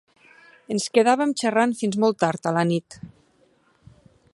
Ens quedàvem xerrant fins molt tard a la nit.